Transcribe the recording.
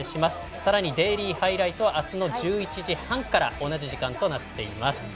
さらに「デイリーハイライト」は明日の１１時半から同じ時間となっています。